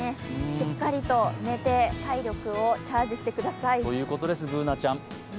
しっかりと寝て、体力をチャージしてください。